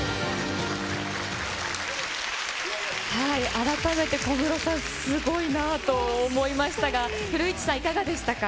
改めて小室さん、すごいなと思いましたが、古市さん、いかがでしたか。